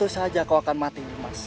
tentu saja kau akan mati